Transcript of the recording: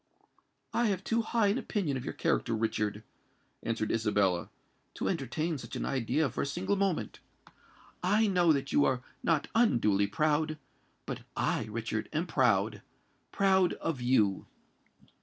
"I have too high an opinion of your character, Richard," answered Isabella, "to entertain such an idea for a single moment. I know that you are not unduly proud; but I, Richard, am proud—proud of you!"